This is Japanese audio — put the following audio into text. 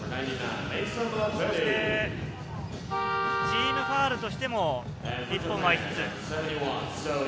チームファウルとしても日本は５つ。